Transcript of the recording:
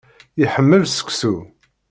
Iḥemmel seksu.